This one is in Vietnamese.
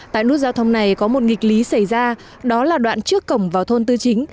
tại nút giao thông này có một nghịch lý xảy ra đó là đoạn trước cổng vào thôn tư chính